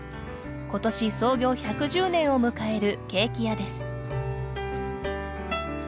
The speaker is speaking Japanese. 今年、創業１１０年を迎えるケーキ屋です。